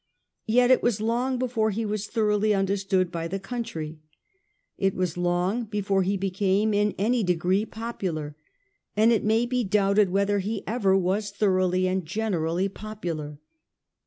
Yet it was long before he was thoroughly understood by the country. It was long before he became in any degree popular ; and it may be doubted whether he ever was thoroughly and generally popular.